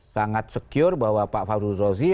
sangat secure bahwa pak farurozzi